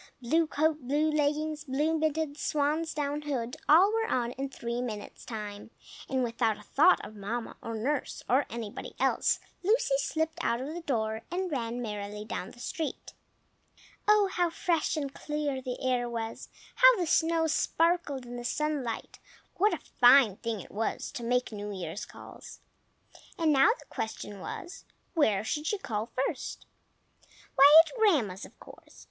Blue coat, blue leggings, blue mittens, swan's down hood, all were on in three minutes' time; and without a thought of Mamma or nurse or anybody else, Lucy slipped out of the door, and ran merrily down the street. Oh, how fresh and clear the air was! How the snow sparkled in the sunlight! What a fine thing it was to make New Year's calls! And now the question was, where she should call first. Why, at Grandma's, of course!